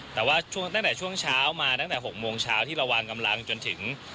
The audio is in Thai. แต่ว่าช่วงตั้งแต่ช่วงเช้ามาตั้งแต่๖โมงเช้าที่เราวางกำลังจนถึง